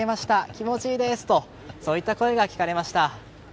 気持ちいいです！といった声が聞かれました。